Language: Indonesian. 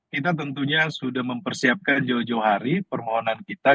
kita tentunya sudah mempersiapkan jauh jauh hari permohonan kita